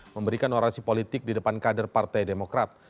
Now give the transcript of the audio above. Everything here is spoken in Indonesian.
memberikan orasi politik di depan kader partai demokrat